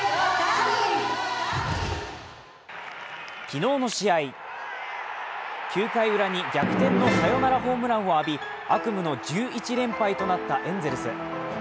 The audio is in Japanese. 昨日の試合、９回ウラに逆転のサヨナラホームランを浴び悪夢の１１連敗となったエンゼルス。